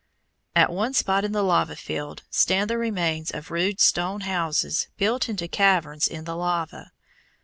At one spot in the lava field stand the remains of rude stone houses built into caverns in the lava.